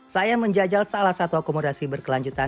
saya menjajal salah satu akomodasi berkelanjutan